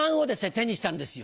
手にしたんですよ。